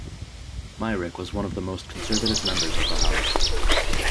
Myrick was one of the most conservative members of the House.